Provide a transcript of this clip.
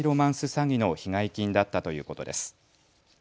詐欺の被害金だったということです。